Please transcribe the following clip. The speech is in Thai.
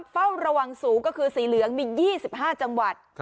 เฝ้าระวังสูงก็คือสีเหลืองมี๒๕จังหวัด